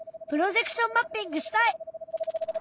プロジェクションマッピングしたい！